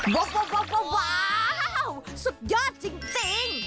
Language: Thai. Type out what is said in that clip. ว้าวสุดยอดจริง